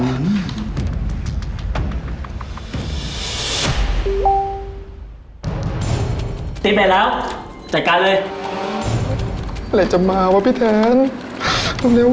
ติดไปแล้วจัดการเลยอะไรจะมาวะพี่แทนเร็วเร็วเร็ว